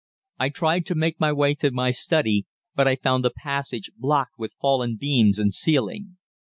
I tried to make my way to my study, but found the passage blocked with fallen beams and ceiling.